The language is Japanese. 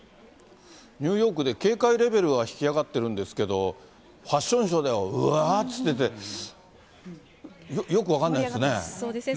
ニューヨークで警戒レベルは引き上がってるんですけど、ファッションショーではうわーっつってて、そうですね。